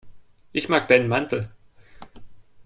Ich mag deinen Mantel.